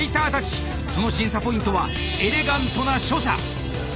その審査ポイントはエレガントな所作。